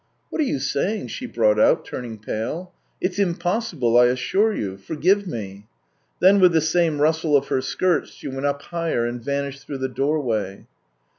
" What are you saying !" she brought out, turning pale. " It's impossible, I assure you. Forgive me." Then with the same rustle of her skirts she went up higher, and vanished through the doorway.